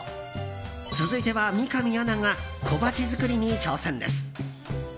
続いては三上アナが小鉢作りに挑戦です。